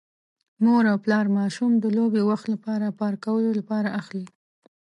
مور او پلار ماشوم د لوبې وخت لپاره پارک کولو لپاره اخلي.